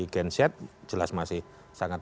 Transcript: gen z jelas masih sangat